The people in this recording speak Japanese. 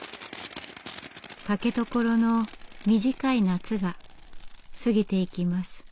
竹所の短い夏が過ぎていきます。